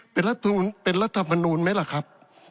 เป็นรัฐธรรมนูลไหมล่ะครับ